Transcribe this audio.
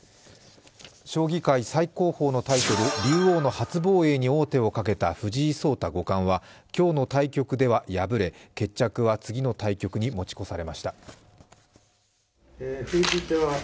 将棋界最高峰のタイトル竜王の初防衛に王手をかけた藤井聡太五冠は、今日の対局では敗れ、決着は次の対局に持ち越されました。